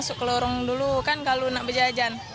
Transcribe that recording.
masuk ke lorong dulu kan kalau tidak berjajan